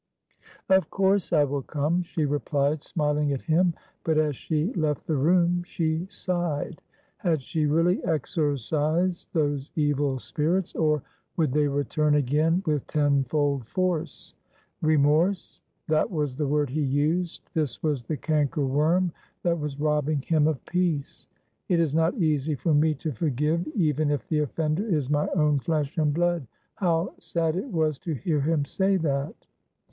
"Of course I will come," she replied, smiling at him. But as she left the room she sighed; had she really exorcised those evil spirits? or would they return again, with tenfold force? "remorse;" that was the word he used, this was the canker worm that was robbing him of peace. "It is not easy for me to forgive even if the offender is my own flesh and blood." How sad it was to hear him say that.